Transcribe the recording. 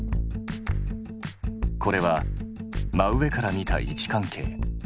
これは真上から見た位置関係。